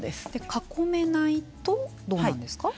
囲めないとどうなんですか。